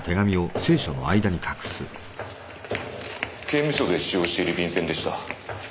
刑務所で使用している便箋でした。